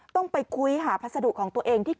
ต้องไปคุยหาพัสดุของตัวเองที่